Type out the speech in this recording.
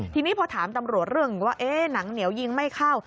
ทีนี้พอถามตำรวจเรื่องว่าเอ๊ะหนังเหนียวยิงไม่เข้า